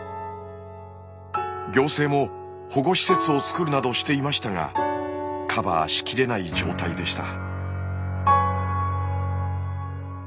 行政も保護施設を作るなどしていましたがカバーしきれない状態でした。